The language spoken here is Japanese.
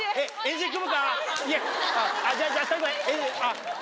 じゃあ最後。